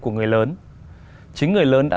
của người lớn chính người lớn đã